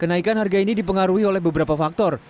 kenaikan harga ini dipengaruhi oleh beberapa faktor